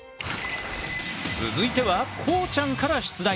続いてはこうちゃんから出題！